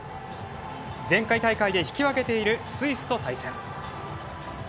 前回大会で引き分けているスイスと対戦。